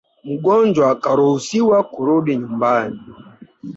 Mgonjwa karuhusiwa kurudi nyumbani